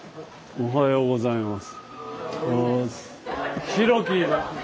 おはようございます。